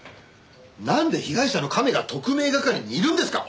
なんで被害者のカメが特命係にいるんですか！